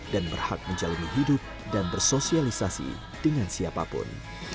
dan berhak menjalani hidup dan bersosialisasi dengan siapapun